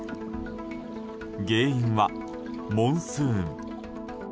原因はモンスーン。